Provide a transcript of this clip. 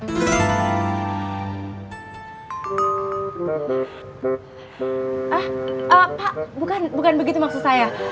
ah pak bukan begitu maksud saya